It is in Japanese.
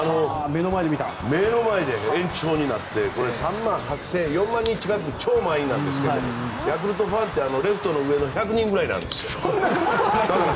目の前で延長になって４万人近くの超満員なんですがヤクルトファンってレフトの上の１００人ぐらいなんですよ。